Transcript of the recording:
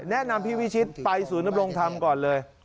แนะนำพี่วิชิตไปศูนย์ดำรงธรรมก่อนเลย